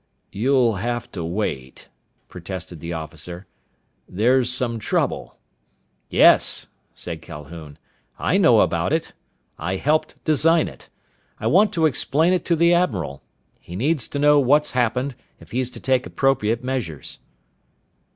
"You'll have to wait," protested the officer. "There's some trouble " "Yes," said Calhoun. "I know about it. I helped design it. I want to explain it to the admiral. He needs to know what's happened, if he's to take appropriate measures."